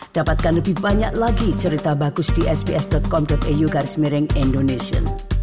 dapatkan lebih banyak lagi cerita bagus di sbs com au garis miring indonesia